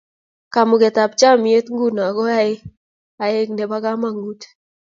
kamagunet ab chamiyet ngun ko ae aek nebo kamangut